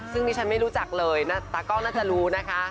ซึ่งดิฉันไม่รู้จักเลยตากล้องน่าจะรู้นะคะ